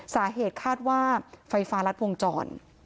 สาเหตุคาดว่าไฟฟ้ารัดวงจร